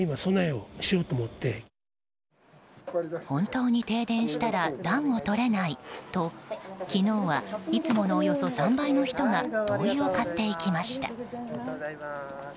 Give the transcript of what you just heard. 本当に停電したら暖をとれないと昨日はいつものおよそ３倍の人が灯油を買っていきました。